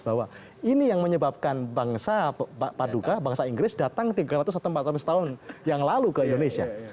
bahwa ini yang menyebabkan bangsa pak duka bangsa inggris datang tiga ratus atau empat ratus tahun yang lalu ke indonesia